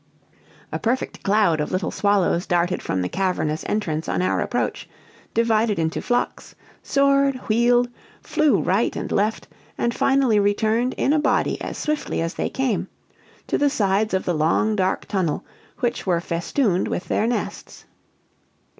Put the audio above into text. A perfect cloud of little swallows darted from the cavernous entrance on our approach, divided into flocks, soared, wheeled, flew right and left, and finally returned in a body as swiftly as they came, to the sides of the long dark tunnel, which were festooned with their nests.